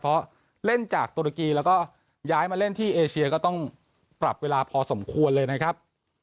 เพราะเล่นจากตุรกีแล้วก็ย้ายมาเล่นที่เอเชียก็ต้องปรับเวลาพอสมควรเลยนะครับ